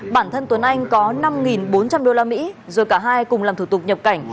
bản thân tuấn anh có năm bốn trăm linh usd rồi cả hai cùng làm thủ tục nhập cảnh